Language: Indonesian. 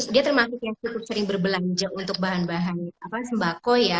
dia termasuk yang cukup sering berbelanja untuk bahan bahan sembako ya